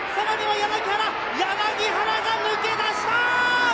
柳原が抜け出した！